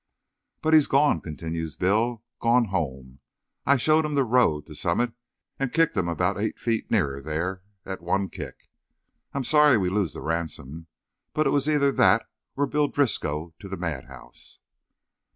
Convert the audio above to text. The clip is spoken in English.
"But he's gone"—continues Bill—"gone home. I showed him the road to Summit and kicked him about eight feet nearer there at one kick. I'm sorry we lose the ransom; but it was either that or Bill Driscoll to the madhouse."